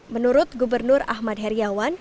menurut gubernur ahmad heriawan